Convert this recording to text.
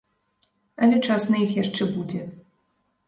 Але час на іх яшчэ будзе.